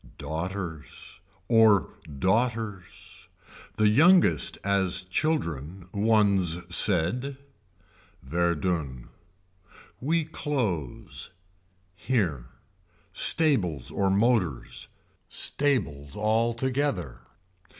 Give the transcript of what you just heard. Daughters. Or daughters. The youngest as children One's said. Verdun. We close. Here. Stables or motors. Stables altogether.